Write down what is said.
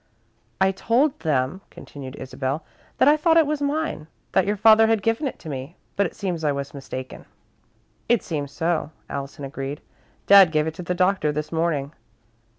"I told them," continued Isabel, "that I thought it was mine that your father had given it to me, but it seems I was mistaken." "It seems so," Allison agreed. "Dad gave it to the Doctor this morning."